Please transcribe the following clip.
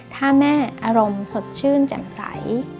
ถ้าแม่อารมณ์สดชื่นแจ่มใส